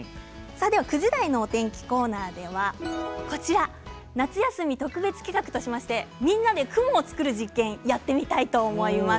９時台のお天気コーナーでは夏休み特別企画と題しましてみんなで雲を作る実験をやってみたいと思います。